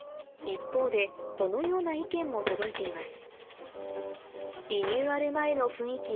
一方でこのような意見も届いています